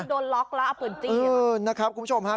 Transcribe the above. โดนล็อกแล้วเอาปืนจี้เออนะครับคุณผู้ชมฮะ